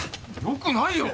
よくないよ！